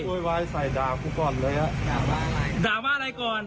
ด่าว่าอะไรก่อนเขาด่าว่าอะไรก่อน